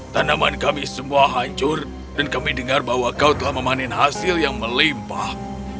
tanaman kami semua hancur dan kami dengar bahwa kau telah memanen hasil yang melimpah